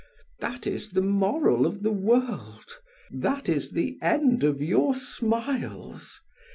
That is the moral of the world, that is the end of your smiles.